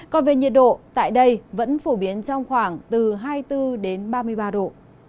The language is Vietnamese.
còn về nhiệt độ tại đây vẫn phổ biến trong khoảng từ hai mươi bốn đến ba mươi ba độ